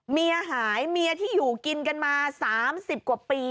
เมียหายเมียที่อยู่กินกันมา๓๐กว่าปี